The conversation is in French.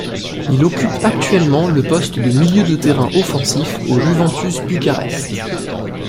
Il occupe actuellement le poste de milieu de terrain offensif au Juventus Bucarest.